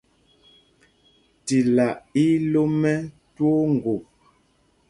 Tilá í í lō mɛ̄ twóó ŋgop.